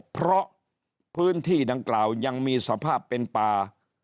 เพราะพื้นที่ดังกล่าวยังมีสภาพเป็นป่า